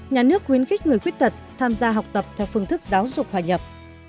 nhà nước quyến khích người khuyết tật tham gia học tập theo phương thức giáo dục hòa nhập